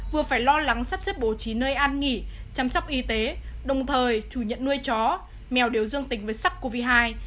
vừa phải lo lắng sắp xếp bổ trí nơi an nghỉ chăm sóc y tế đồng thời chủ nhận nuôi chó mèo đều dương tình với sắc covid hai